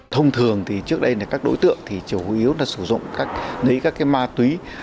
thông thường thì trước đây các đối tượng chủ yếu là sử dụng các má túy